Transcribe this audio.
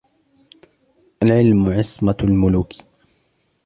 الْعِلْمُ عِصْمَةُ الْمُلُوكِ